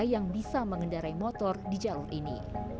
yang bisa mengendarai motor di jalur ini